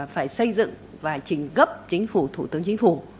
phải xây dựng và trình gấp chính phủ thủ tướng chính phủ